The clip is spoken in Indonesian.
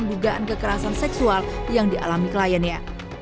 dugaan kekerasan seksual yang dialami kliennya